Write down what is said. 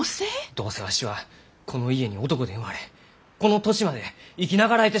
どうせわしはこの家に男で生まれこの年まで生き長らえてしもうた。